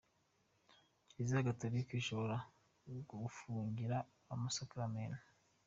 Kiliziya Gatorika ishobora gufungira amasakaramentu